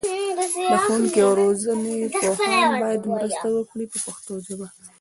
د ښوونې او روزنې پوهان باید مرسته وکړي په پښتو ژبه.